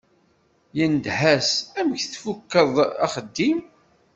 Yendeh-as: Amek tfukeḍ axeddim?